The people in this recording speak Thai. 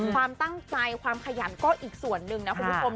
ความตั้งใจความขยันก็อีกส่วนหนึ่งนะคุณผู้ชม